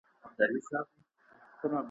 معیاري ژبه د یووالي لامل ګرځي.